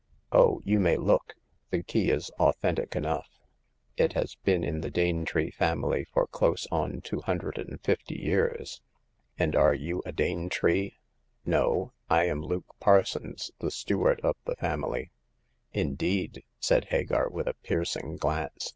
Oh, you may look ! The key is authentic enough. It has been in the Danetree family for close on two hundred and fifty years." And are you a Danetree ?"" No ; I am Luke Parsons, the steward of the family." " Indeed !" said Hagar, with a piercing glance.